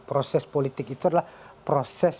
proses politik itu adalah proses